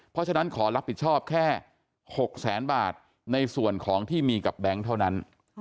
เพราะฉะนั้นขอรับผิดชอบแค่๖แสนบาทในส่วนของที่มีกับแบงค์เท่านั้น